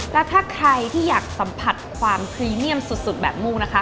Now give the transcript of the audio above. แล้วถ้าใครที่อยากสัมผัสความพรีเมียมสุดแบบมุ่งนะคะ